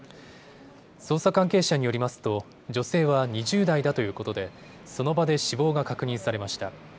捜査関係者によりますと女性は２０代だということでその場で死亡が確認されました。